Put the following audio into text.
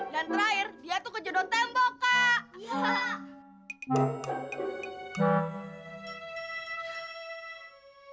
dan terakhir dia tuh kejodot tembok kak